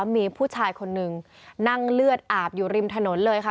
มีผู้ชายคนนึงนั่งเลือดอาบอยู่ริมถนนเลยค่ะ